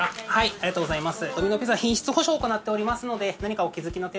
ありがとうございます。